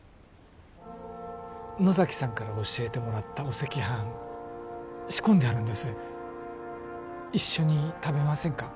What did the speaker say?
野崎さんから教えてもらったお赤飯仕込んであるんです一緒に食べませんか？